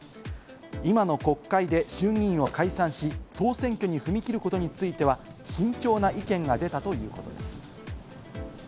今の国会で衆議院を解散し、総選挙に踏み切ることについては慎重な意見が出たということです。